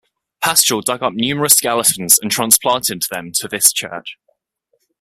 Paschal dug up numerous skeletons and transplanted them to this church.